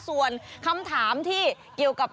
ส่วนคำถามที่เกี่ยวกับ